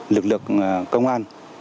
lực lượng công an